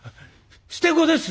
「捨て子です！」。